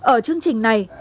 ở chương trình này